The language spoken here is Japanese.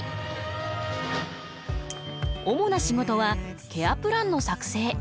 主な仕事はケアプランの作成。